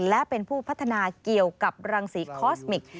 และเป็นผู้พัฒนาเกี่ยวกับรังสีคอสมิก